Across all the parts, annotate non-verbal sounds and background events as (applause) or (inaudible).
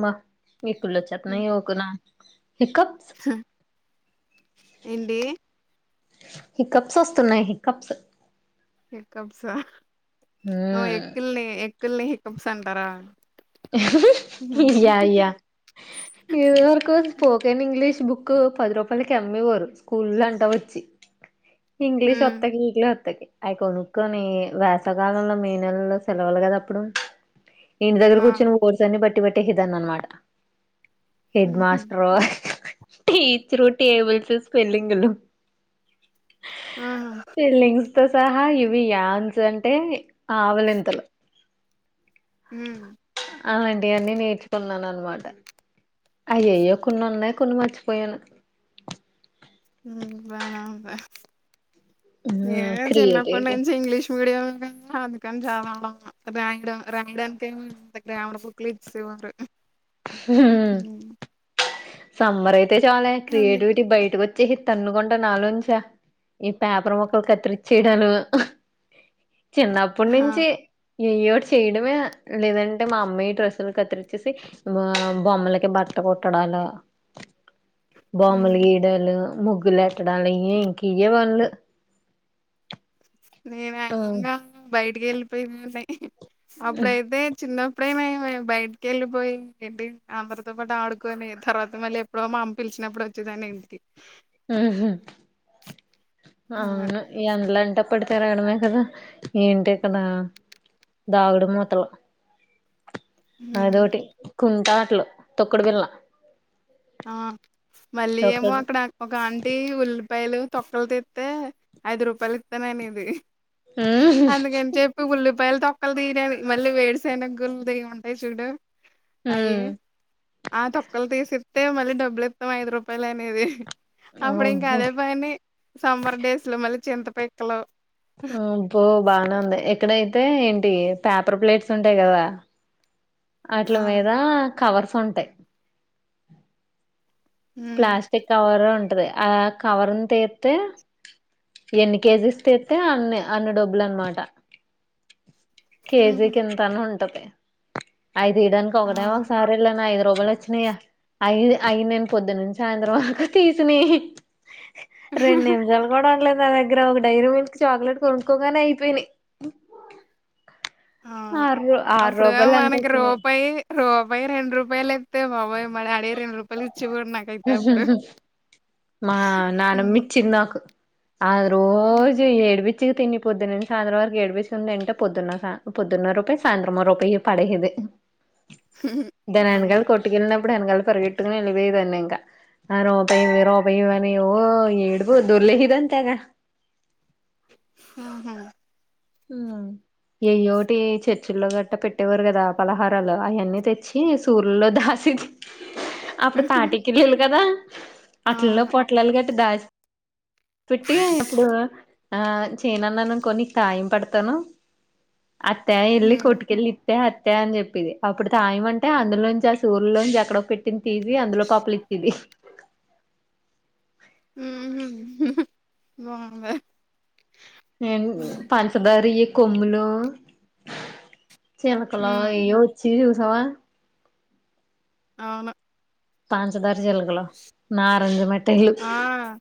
మ్మ ఇకుల్లో హ్మ్ చెప్పనయి వకునా వికట్స్ ఏంటి హికప్స్ వస్తున్నాయి హికప్స్ (unintelligible) సర్ ఆ ఎక్కిల్ ఎ ల్ని హికప్స్ అంటారా ఇ అయ్యా (unintelligible) స్పోకన్ ఇంగ్లీష్ బుక్ పది రూపాయలకిఅమ్మేవారు స్కూల్ అంటా వచ్చి ఇంగ్లీష్ హ్మ్ వత్తకి (unintelligible) అవి కొనుక్కొని వేసాకాలంలో మే నెలల్లో సెలవులు కద అప్పుడు ఇంటి ఆ ఆ దగ్గరకు వచ్చి మిషన్ నీ బట్టి బట్టి (unintelligible) హెడ్ హుహు. మాస్టర్ టీచరు టేబిల్స్ స్పెల్లింగ్ లు ఆహా! టెల్లింగ్ తోసహా ఇవి యాన్స్ అంటే ఆవలింతలు ఉమ్ అలాంటివన్నీ నేర్చుకున్నాను అన్నమాట అయ్యెయో కొన్ని ఉన్నాయి కొన్ని మర్చి పోయాను ఉమ్ బానే ఉన్న హ్మ్ నేనేమో క్రియేటివిటీ చిన్నప్పనుంచి ఇంగ్లీష్ మీడియం అందుకని చదవడం రాయడం రాయడానికి ఏమో గ్రామర్ బుక్లు ఇచ్చేవారు హ్మ్ ఉమ్ సమ్మర్ అయి తే చాలే అందుకే క్రియేటివిటీ బయటకు వ చ్చి తన్నుకుంట నాలోంచి ఈ పేపర్ ముక్కలు కత్తిరిచ్చేయడాలు చిన్నప్పటి ఆ నుంచి ఏయ్యోటి చేయడమే లేదంటే మా అమ్మయి డ్రెస్సులు కత్తిరిచేసి బొమ్మలకి బట్ట కుట్టడాలు బొమ్మలు హ్మ్ గీయడాలు ముగ్ ముగ్గులు పెట్టాడాలు ఇయే ఇంక ఇయే పనులు నేను ఆ ఏకంగా బయట ఎళ్లిపోయింది అప్పుడు అయితే చిన్నప్ ఎప్పుడేమ బయటికి వెళ్ళిపోయి ఏంటి అందరితో పాటు ఆడుకొని తర్వాత మళ్ళీ ఎప్పుడో మా అమ్మ పిలిచినప్పుడు వచ్చేదాన్ని ఇంటికి ఉమ్ హూ ఆ అవును ఎండ్లా ఇట్టప్పడి తిరాగడమే కదా ఏంటి ఇక్కడ దాగడు మూతలు ఉమ్, అదోటి కుంటాట్లు తొక్కుడు బిల్ల ఆ మళ్ళీ ఏమో అక్కడ ఒక ఆంటీ ఉల్ పాయలు తొక్కలు తీత్తే ఐదు రూపాయలు ఇత్తననేది ఉమ్ అందుకని చెప్పి ఉల్లి పాయల తొక్కలు తియడాలు మళ్ళీ వేరుసెనగ గుల్ల్ ది ఉంటాయి చూడు అయి ఉమ్ ఆ తొక్కలు తీసి అయితే మళ్ళీ డబ్బులు ఇత్తవ ఐదు రూపాయలు అనేది అప్పుడు ఇంకా అబ్బో అదే పని సమ్మర్ డేస్ లో మళ్ళీ చింత పిక్కలు ఆ అబ్బో బానే ఉంది ఎక్కడైతే ఏంటి పేపర్ ప్లేట్స్ ఉంటాయి కదా ఆ అట్ల మీద కవర్స్ ఉంటాయి ఉమ్ ప్లాస్టిక్ కవరు ఉంటది ఆ కవర్ తీత్తే ఎన్ని కేజీస్ తీత్తే అన్ని అన్ని డబ్బులు అన్నమాట ఉమ్, కేజీకి ఇంతని ఉంటది ఐదు ఈడానికి ఒకటే ఆ ఒక సారి ఇలా రోగాలు వచ్చినాయ ఐదు అయినే పొద్దు నుంచి సాయంత్రం వరకు తీసని రెండు నిమిషాలు కూడా ఉండలేదు నా దగ్గర ఒక డైరీ మిల్క్ చాక్లెట్ కొనుక్కోగానే అయిపోయినాయి అవును ఆరు ఆరు అప్పుడు రూపాయలు ఎంతో మనకి వచ్చినాయి రూపాయి రూ పై రెండ్రూపాయలైతే బాబోయ్ మా డాడీ రూ. ఇచ్చేవాడు నాకైతే అప్పుడు. మా నానమ్మ హ్మ్. ఇచ్చింది నాకు ఆ రోజు ఎడ్పి పిచ్చి తి పొద్దునని సాయంత్రం వరకు ఏడిపించుకుందింటే పొద్దున్న పొదున్న రూపాయి సాయంత్రం రూపాయి పడేది హ్మ్. దానెనకాల్ అవును. కొట్టు కింద ఇప్పుడెనకాల్ పరిగె (unintelligible) ఇంకా ఆ రూపాయి రూపయి అవేవో ఏడుపో దొర్లేవిదంతాగా ఆహా ఎయ్యోటి చర్చిల్లో గట్ట పెట్టేవారు కదా పలహారాలు అవన్నీ తెచ్చి సూర్ల్లో దాసి అప్పుడే తాటికి (unintelligible) కదా అట్లలో అవును. పొట్లాలు కట్టి దా ఫిట్టిగా ఎప్పుడు ఆ చేయనున్నాను కొన్ని కాయం పడతాను అట్టే ఎల్లి హ్మ్. కొట్టుకెళ్ళి త్తె అట్లే అని చెప్పిది అప్పుడు తాయం అంటే అందులో నుంచి ఆ సూర్లో నుంచి ఎక్కడో పెట్టింది తీసి అందులో పపులు ఇచ్చిది బాబ పంచదారి కొమ్మలో చినకలా హ్మ్. అయ్యో వచ్చి సవా అవును పాంచ్ హజార్ జలగలు నారంజి మిట్టాయ్లు ఆ!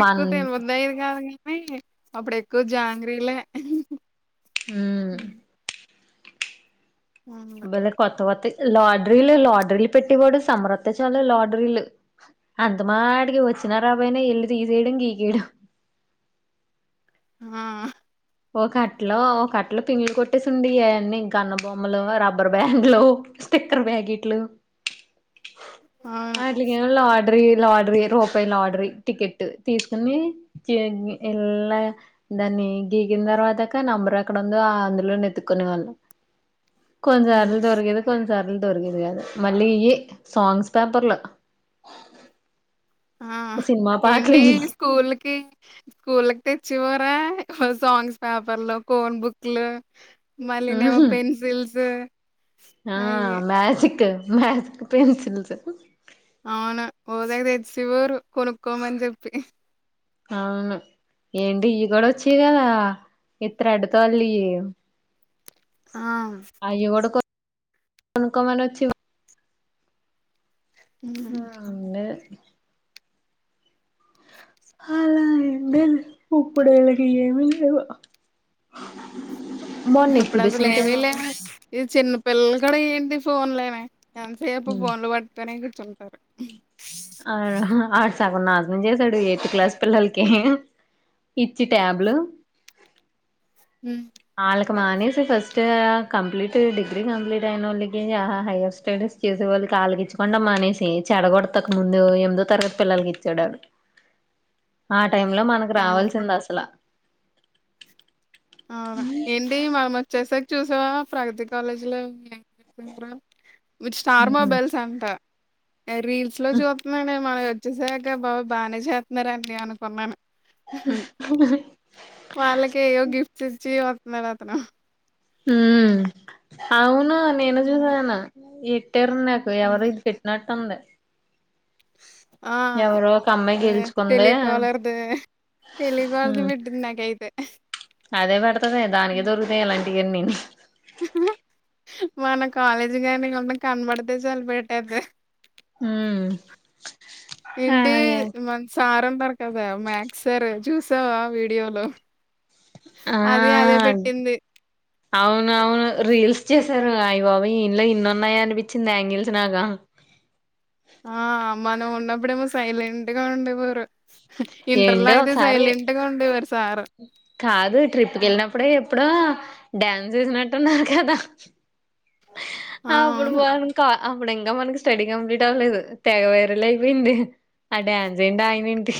మన్ అప్పుడు ఎక్కువ జాంగ్రిలే మ్మ్ ఉ బలే కొత్తావ్ లాడరీలు లాడరీలు పెట్టేవాడు సమరత్త చాలు లాడరీలు అంత మాడికి వచ్చిన రాబయినా ఇల్ళ తీసేయడం గీకేయడం ఆ ఒక అట్లో ఒక అట్టలో పింగలు కొట్టేసి ఉండడి అవన్నీ గన్న బొమ్మలు రబ్బర్ బ్యాండ్లు స్టిక్కర్ ప్యాకెట్లు అవును. అట్లికేం లా టరీ లాటరీ రూపాయి లాటరీ టికెట్ తీసుకుని ఎల్లా దాన్ని గీకిన తర్వాతిక నంబర్ ఎక్కడుందో అన్‌ఫుల్‌లోనే ఎతుక్కునే వాళ్లం కొంచెం హ్మ్. అరలు దరకిదు కొంచం సరలు దొరికేది గాదు మళ్లీ ఈ సోంగ్స్ పేపర్లా ఆ ఏంటి స్కూల్కి స్కూల్కి తెచ్చిపోరా సాంగ్స్ పేపర్లు కోన్ బుక్లు మళ్ళనేమో పెన్సిల్స్ ఆ అయ్యి. మ్యాజిక్ మాథ్స్ కు పెన్సిల్సు అవును ఓ తెగ తెచ్చేసేవారు కొనుక్కోమని చెప్పి అవును ఏంటి ఇ కూడా వచ్చాయి కదా ఈ త్రెడ్ తాళ్లుయి ఆ కొనుక్కోమనొచ్చే వారు హ్మ్. అన్నే అలా ఎంద పప్పుడైలాకి ఏమి లేవా ఇప్పుడు అసలు ఏమి లే ఇది చిన్న పిల్లలు కూడా ఏంటి ఫోన్ లోనే ఎంతసేపు ఫోన్లు పట్టుకోనే కూర్చ్ టారు అవును ఆడ్ సార్ కొ నాజనం చేసాడు ఎయిత్ క్లాస్ పిల్లలకి ఇచ్చి ట్యాబ్లు హ్మ్. వాళ్ళకి మానేసి ఫస్ట్ కంప్లీట్ డిగ్రీ కంప్లీట్ అయిన వాళ్ళకి హైయర్ స్టడీస్ చేసే వాళ్ళకి వాళ్ళకి ఇచ్చకుండా మానేసి చెడగొడతక ముందు ఎనిమిదో తరగతి పిల్లలకి ఇచ్చాడాడు టై లో మనకు ఆ! రావాల్సింద అసలు అవునా ఏంటీ మనమొచ్చేశాక చూసావా ప్రగతి కాలేజీలో ఏమ్ (inaudible) మీరు స్టార్ మొబైల్స్ అంట రీల్స్ లో చూతున్నాం (unintelligible) చూసాక బాబోయ్ బానే చేస్తున్నారండి అనుకున్నాను వాళ్ళకే ఇగో గిఫ్ తుడ్చి వత్తునాడు అతను ఉమ్ అవును నేను చూసా నిన్నా ఎ టెర్న్ నాకు ఎవరు ఉమ్. ఇది పెట్టినట్ తుంది ఆ అమ్మాయి అ గెలుచుకుంది టెలికాలర్థి, టెలికాలార్థి ఉమ్ పెట్టింది నాకైతే అదే పెడ్ తది దానికే దొరుకుతాయి ఇలాంటి అన్నినీ మన కాలేజీ గానీ ఎమన్న కనబడితే చలు పెట్టెతది మ్మ్ ఏంటి మన్ సారం న్నారు కదా మ్యాక్ సర్ చూసావా వీడియోలో ఆ అది అదే అం పెట్టింది. అవును అవును రీల్స్ చేస్ సారు అయి బాబోయ్ ఇనలో ఇన్నున్నాయ అనిపించింది యాంగిల్స్ నాక ఆ మనం ఉన్నప్పుడేమో సైలెంట్ గా ఉండే వారు ఏంటో ఒకసారి, ఉండేవారు సారు. కాదు ట్రిప్ కెళ్ళినప్పుడే ఎప్పుడో డ్యాన్స్ ఎసినట్టు ఉన్నారు కదా ఆ అప్పుడు అవును బావున్ది కా అప్పుడు ఇంకా మనకి స్టడీ కంప్లీట్ అవ్వలేదు తెగ వైరల్ అయిపోయింది, ఆ డ్యాన్స్ ఏంటి ఆయన ఏంటి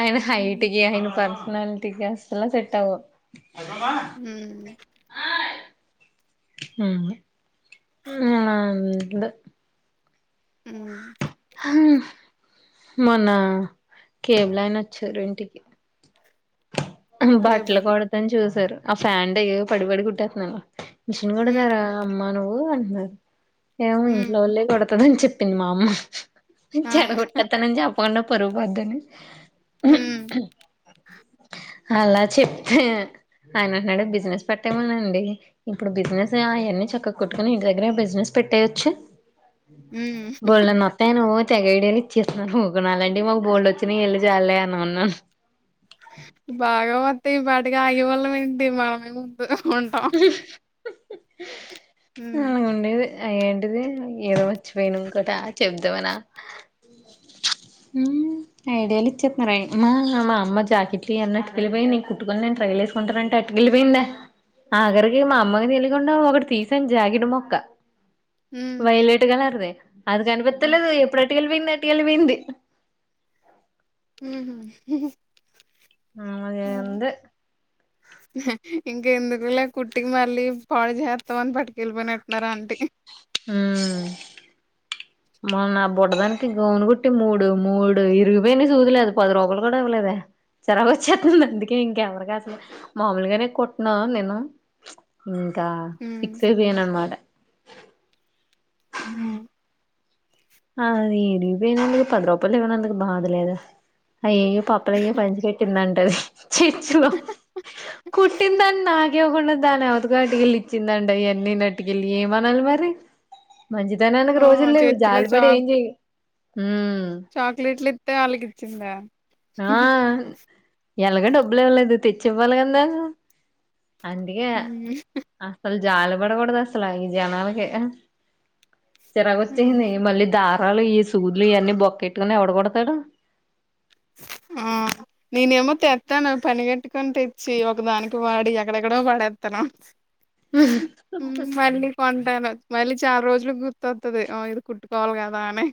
ఆయన హ్మ్ హైట్కి అయన పర్స్ నల్టి గస్లా సెట్ అవ్వవ్ మ్మ్ ఆ మ్మ్ మ్మ్ ఆ (unintelligible) మ్మ్ హ్హమ్ మొన్న కేబుల్ అయినా వచ్చారు ఇంటికి బట్టలు కేబుల్ కుడతని చూసారు ఆ ఫాంటవి పడిపడి కుట్టేతున్నాను మిషన్ హ్మ్ కూడాతారా అమ్మా నువ్వు బో అంటనారు ఏమో హ్మ్ ఇంట్లో వళ్లే కొడ కుట్టదని చెప్పింది మా అమ్మ ఆ చెడ కుట్టతన చెప్పం పరువు పోయిద్దని మ్మ్ అలా చెప్తే ఆయనట్డే బిజినెస్ పెట్టేమనండి ఇప్పుడు బిజినెస్ అవన్నీ చక్క కుట్టుకొని ఇంటి దగ్గర బిజినెస్ పెట్టేయొచ్చు హ్మ్ బోల్డన్ని వత్తాయ్ (inaudible) తెగఐడియాలు ఇచ్చేస్తను ఇక నాలంటే మాకు బోల్డ్ వచ్చిన వెళ్ళి చాలలేే అనికున్నాను బాగావ పాటిగా ఆయేవాళ్ళం ఏంటి మనేము ఉంటాం (inaudible) హ్మ్ ఆలా ఉండేది ఆ ఏంటిది ఏదో మర్చ్చిపోయిను ఇంకోట చెబదామనా ఐడియాలు ఇచ్చేస్తున్నారుమ్మా మా అమ్మ జాకెట్లు అన్న అటుకెళ్ళిపోయి నీ కుట్టుకొని నే ట్రై వసుకుంటారంటే అటుకెళ్ళిపోయిందా ఆగరికి మా అమ్మ తెలి అ ఒకడ తీసాం జాకిట్ మొక్క హ్మ్ వైలేెట్ కలర్ దే అది ఆ కనిపిత్తలేదు ఎప్పుడాన్ తెల్పింద తెలిపింది హ్మ్ హు ఆ మాది అంతే ఇంక ఎందుకులే కుట్టికి మళ్ళీ పాడు చెత్తం అని పట్టు వెళ్ళిపోయినట్టున్నారా అంటే మ నా బుడదానికి గోనగుట్టి మూడు మూడు ఇరిగిపోయినా చూదులేదు పది రూపాయలు కూడా ఇవ్వలేద జరగా వచ్చేస్తుంది అందుకే ఇంకెవరికి అసలు మాములుగానే కొట్టినా నేను అా హ్మ్ సిిక్సే బ ఏన అన్మాట అవును అది ఎడిగిపోయినందుకు పది రూపాయలు ఇవ్వనందుకు బాధలేదా అయ్యో పపల అయ్యో పంచి పెట్టిందండి చర్చిలో కుట్టిందడి నాకేవ్వకుండా దాని ఎవతగా అటుకెళ్ళి ఇచ్చిందండి అవివన్నీ నటుకెళ్ళి ఏమనాలి మరి మంచి తనానికి ఓహో రోజులు లేవు చర్చిలో జాలి బడి చాక్ ఎం చెయ్ చాక్లెట్లు ఇత్తే వాళ్ళకిచ్చేసి రా ఎలాగ డబ్బులు ఇవ్వలేదు తెచ్చి ఇవ్వాలి కదా అందుగే హ్మ్ ఆ జాలిపడకూడదు అస్సలు ఈ జనాలకి సరే వచ్చి హ్మ్ (inaudible) ఈదారాలు ఈ సూద్లు ఇవన్నీ బొక్కెట్టుకుని ఎవడు కొడతాడు ఆ నేనేమో తెత్తాను పనిగట్టుకొని తెచ్చి ఒకదానికి వాడి ఎక్కడెక్కడో పడేత్తాను మళ్ళీ కొంటాను మళ్ళీ చాల రోజులుకి గుర్తొత్తది. ఓ ఇది కుట్టుకోవాలి కదా అని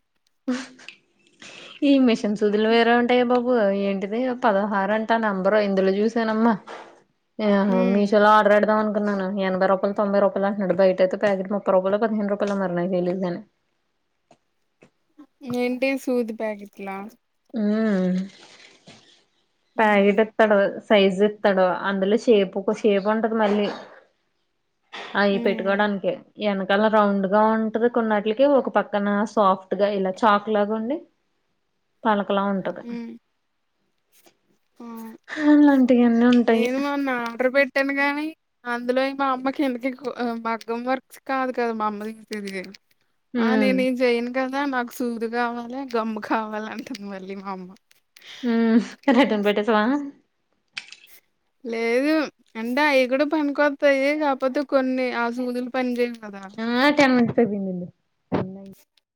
ఈ మిష న్ సూదులు వేరే ఉంటాయి నువ్వు ఏంటిది పదహారు అంటా నంబరు ఇందులో చూసానమ్మా ఆహో మీషోలో ఆడర్ వెట్టుకొని ఎనభై రూపాయలు, తొంభై రూపాయలు అన్నాడు బయటయితే ప్యాకెట్ ముప్పై రూపాయలో పదిహేను రూపాయలో మరి నాకు తెలీదు కానీ ఏంటి సూదు ప్యాకెట్లా మ్మ్ తాగే తెత్తాడు సైజు ఇత్తాడు అందులో షేపు షేప్ ఉంటది మళ్ళీ అయి పెట్టుకోడానికే వెనకాల రౌండ్ గా ఉంటది కొన్నట్లకి ఒక పక్కన సాఫ్ట్ గా ఇలా చాక్ లాగా ఉండి పలకలా ఉంటది ఆ అలాంటివి అన్నీ ఉంటాయి ట్టాను గాని అందులో మా అమ్మకి ఎందుకి మగ్గం వర్క్స్ కాదు కదా మా అమ్మ తెచ్చేది ఆ ఉమ్ నేను ఈజైన్ కదా నాకు సూదు కావాలి, గమ్ము కావాలి అంటుంది మళ్ళీ మా అమ్మ ఎండ పెడ్తాంది బయట చవా లేదు అంటే అవి కూడ పనికొత్తాయి. కాకపోతే కొన్ని ఆ సూదులు పని చేేయవు ఆ (inaudible) (inaudible)